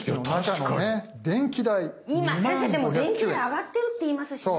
今先生でも電気代上がってるっていいますしね。